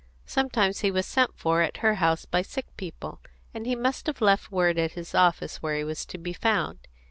Sometimes he was sent for at her house by sick people, and he must have left word at his office where he was to be found.